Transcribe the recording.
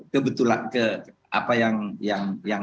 ke apa yang